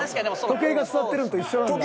時計が座ってるんと一緒なんだ。